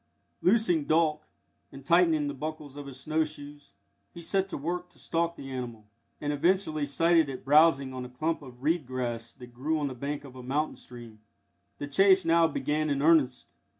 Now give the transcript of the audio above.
Loosing Dolk, and tightening the buckles of his snow shoes, he set to work to stalk the animal, and eventually sighted it browsing on a clump of reed grass that grew on the bank of a mountain stream. The chase now began in earnest.